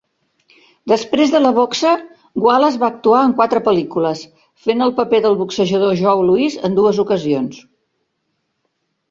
Després de la boxa, Wallace va actuar en quatre pel·lícules, fent el paper del boxejador Joe Louis en dues ocasions.